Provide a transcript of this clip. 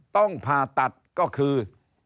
ต้องผ่าตัดก็คือ